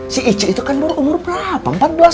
si ece itu kan baru umur berapa